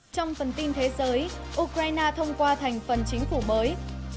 trong phần tin thế giới ukraine thông qua thành phần chính phủ mới